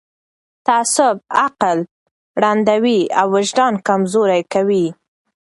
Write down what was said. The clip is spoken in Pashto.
تعصب عقل ړندوي او وجدان کمزوری کوي